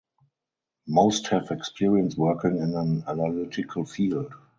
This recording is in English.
Most have experience working in an analytical field.